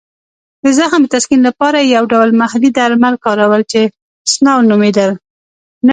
د زخم د تسکین لپاره یې یو ډول محلي درمل کارول چې سنو نومېدل.